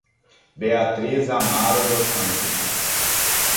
Beatriz Amaro dos Santos